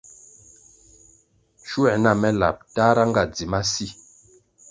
Schuer na me lab tahra nga dzi masi.